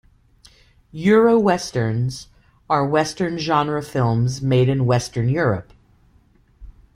Euro Westerns are Western genre films made in Western Europe.